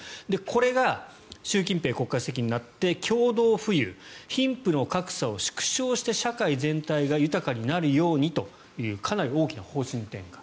これが習近平国家主席になって共同富裕貧富の格差を縮小して社会全体が豊かになるようにというかなり大きな方針転換。